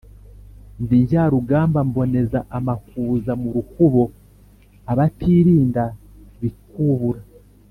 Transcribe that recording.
ndi Njyarugamba mboneza amakuza mu rukubo abatirinda bikubura.